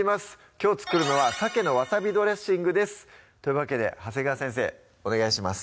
きょう作るのは「鮭のわさびドレッシング」ですというわけで長谷川先生お願いします